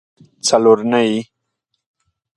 څلرنۍ